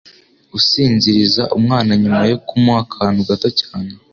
usinziriza umwana nyuma yo kumuha akantu gato cyane